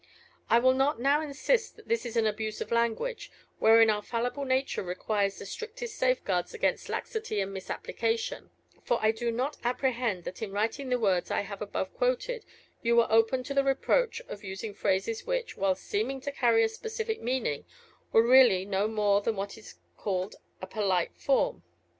I will not now insist that this is an abuse of language, wherein our fallible nature requires the strictest safeguards against laxity and misapplication, for I do not apprehend that in writing the words I have above quoted, you were open to the reproach of using phrases which, while seeming to carry a specific meaning, were really no more than what is called a polite form.